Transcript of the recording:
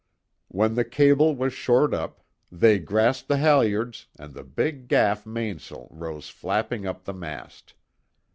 When the cable was short up, they grasped the halyards and the big gaff mainsail rose flapping up the mast.